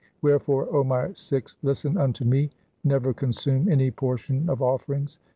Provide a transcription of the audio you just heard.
Wherefore, 0 my Sikhs, listen unto me, never consume any portion of offerings.